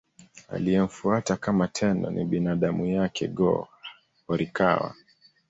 Aliyemfuata kama Tenno ni binamu yake Go-Horikawa.